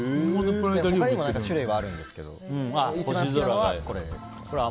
他にも種類はあるんですけど一番好きなのはこれです。